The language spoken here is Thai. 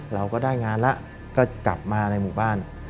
เราก็ได้งานแล้วก็กลับมาในหมู่บ้าน